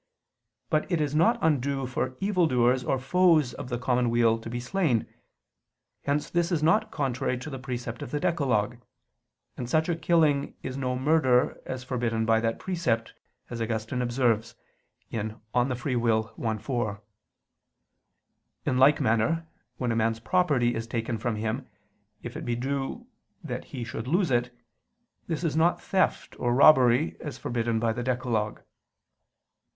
But it is not undue for evil doers or foes of the common weal to be slain: hence this is not contrary to the precept of the decalogue; and such a killing is no murder as forbidden by that precept, as Augustine observes (De Lib. Arb. i, 4). In like manner when a man's property is taken from him, if it be due that he should lose it, this is not theft or robbery as forbidden by the decalogue.